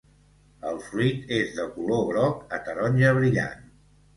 El fruit és de color groc a taronja brillant.